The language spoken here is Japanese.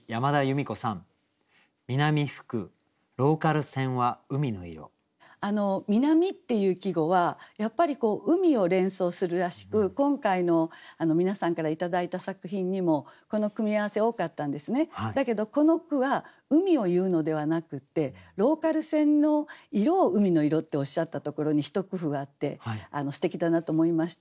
「南風」っていう季語はやっぱり海を連想するらしく今回の皆さんから頂いた作品にもこの組み合わせ多かったんですね。だけどこの句は海を言うのではなくってローカル線の色を「海の色」っておっしゃったところに一工夫あってすてきだなと思いました。